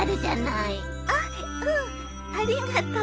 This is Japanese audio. あっうんありがとう。